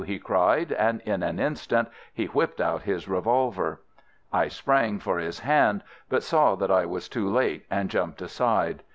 he cried, and in an instant he whipped out his revolver. I sprang for his hand, but saw that I was too late, and jumped aside.